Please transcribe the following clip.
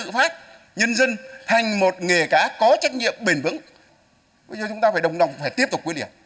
bây giờ chúng ta phải đồng đồng phải tiếp tục quyết liệt